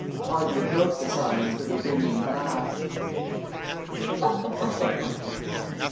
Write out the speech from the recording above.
Audrey broke the silence with a ringing laugh.